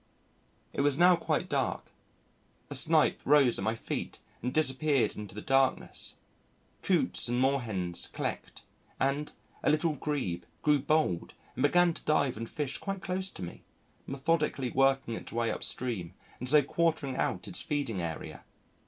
It was now quite dark. A Snipe rose at my feet and disappeared into the darkness. Coots and Moorhens clekked, and a Little Grebe grew bold and began to dive and fish quite close to me, methodically working its way upstream and so quartering out its feeding area.